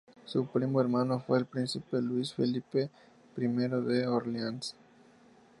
Su primo hermano fue el príncipe Luis Felipe I de Orleans.